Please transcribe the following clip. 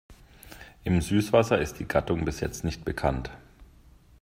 Im Süßwasser ist die Gattung bis jetzt nicht bekannt.